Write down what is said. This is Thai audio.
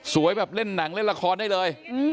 แบบเล่นหนังเล่นละครได้เลย